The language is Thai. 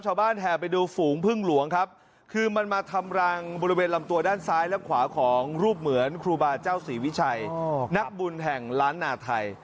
แห่ไปดูฝูงพึ่งหลวงครับคือมันมาทำรังบริเวณลำตัวด้านซ้ายและขวาของรูปเหมือนครูบาเจ้าศรีวิชัยนักบุญแห่งล้านนาไทย